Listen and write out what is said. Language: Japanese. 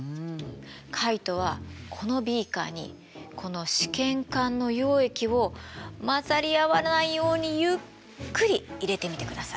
カイトはこのビーカーにこの試験管の溶液を混ざり合わないようにゆっくり入れてみてください。